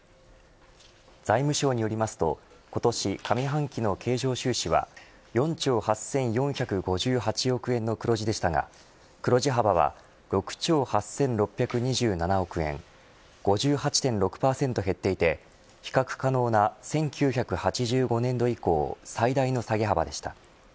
財務省によりますと今年上半期の経常収支は４兆８４５８億円の黒字でしたが黒字幅は６兆８６２７億円５８．６％減っていて比較可能な１９８５年度以降最大の下げ幅でした。